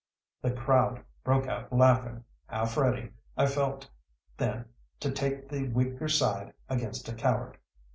The crowd broke out laughing, half ready, I felt then to take the weaker side against a coward.